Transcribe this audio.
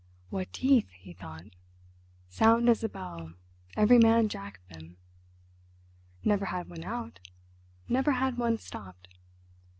What teeth! he thought. Sound as a bell, every man jack of them. Never had one out, never had one stopped.